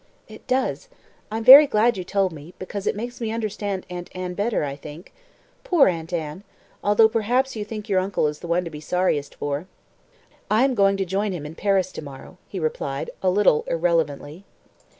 "It does. I'm very glad you told me, because it makes me understand Aunt Anne better, I think. Poor Aunt Anne! Although, perhaps, you think your uncle is the one to be sorriest for." "I am going to join him in Paris to morrow," he replied a little irrelevantly.